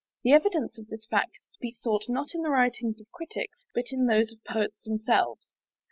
The evidence of this fact is to be sought, not in the writings of Critics, but in those of Poets themselves.